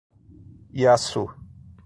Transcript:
Iaçu